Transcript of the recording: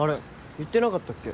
言ってなかったっけ？